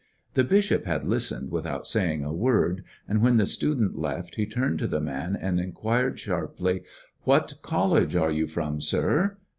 The bishop had listened without saying a word, and when the student left he turned to the man and inquired sharply : "What college are you from, sir?"